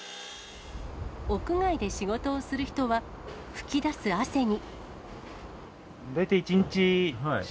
屋外で仕事をする人は、噴き出す汗に。